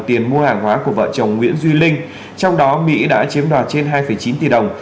tiền mua hàng hóa của vợ chồng nguyễn duy linh trong đó mỹ đã chiếm đoạt trên hai chín tỷ đồng